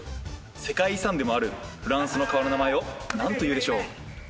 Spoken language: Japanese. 世界遺産でもあるフランスの川の名前を何というでしょう？